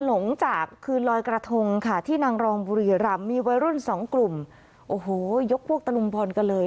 หลังจากคืนลอยกระทงค่ะที่นางรองบุรีรำมีวัยรุ่นสองกลุ่มโอ้โหยกพวกตะลุมบอลกันเลย